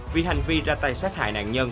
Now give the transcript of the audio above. vì hành vi ra tay sát hại nạn nhân